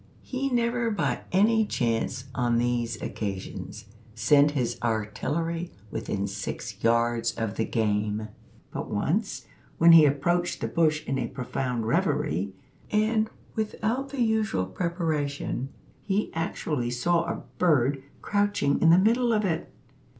He never by any chance on these occasions sent his artillery within six yards of the game; but once, when he approached the bush in a profound reverie, and without the usual preparation, he actually saw a bird crouching in the middle of it!